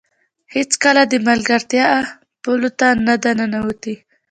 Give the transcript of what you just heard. هېڅکله د ملګرتیا اپونو ته نه ده ننوتې